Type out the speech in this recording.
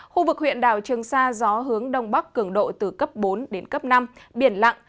khu vực huyện đảo trường sa gió hướng đông bắc cường độ từ cấp bốn đến cấp năm biển lặng